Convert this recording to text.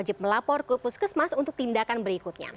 wajib melapor kus kus mas untuk tindakan berikutnya